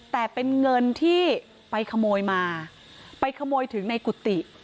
แต่เป็นเงินที่ไปขโมยมาไปขโมยถึงในกุฏิ